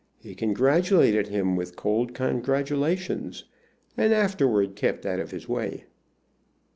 He congratulated him with cold congratulations, and afterward kept out of his way.